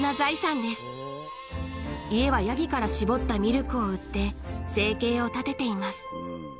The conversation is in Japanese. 家はヤギから搾ったミルクを売って生計を立てています。